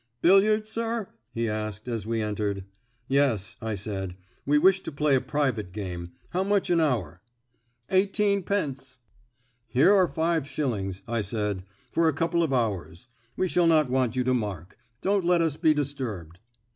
"Billiards, sir?" he asked, as we entered. "Yes," I said, "we wish to play a private game. How much an hour?" "Eighteenpence." "Here are five shillings," I said, "for a couple of hours. We shall not want you to mark. Don't let us be disturbed."